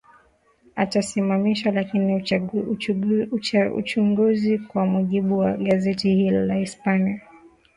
atasimamishwa lakini uchunguzi kwa mujibu wa gazeti hilo la hispania